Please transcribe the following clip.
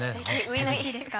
初々しいですか？